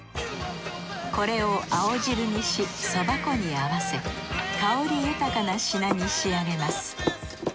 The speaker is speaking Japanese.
これを青汁にし蕎麦粉に合わせ香り豊かな品に仕上げます。